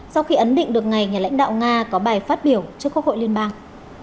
sau khi ấn định được ngày nhà lãnh đạo nga có bài phát biểu trước quốc hội liên bang